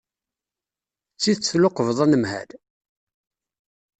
D tidet tluqbeḍ anemhal?